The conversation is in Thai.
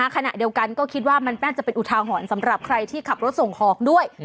ขณะเดียวกันก็คิดว่ามันน่าจะเป็นอุทาหรณ์สำหรับใครที่ขับรถส่งของด้วย